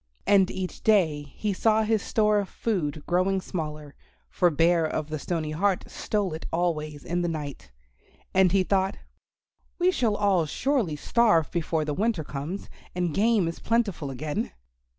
And each day he saw his store of food growing smaller, for Bear of the Stony Heart stole it always in the night. And he thought, "We shall all surely starve before the winter comes, and game is plentiful again."